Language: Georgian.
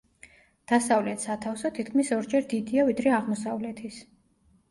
დასავლეთ სათავსო თითქმის ორჯერ დიდია, ვიდრე აღმოსავლეთის.